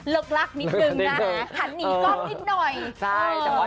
เลิกลักษณ์นิดหนึ่งนะหันหนีกล้องนิดหน่อย